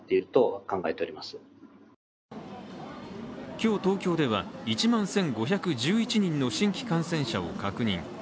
今日、東京では１万５１１人の新規感染者を確認。